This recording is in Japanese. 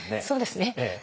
そうですね。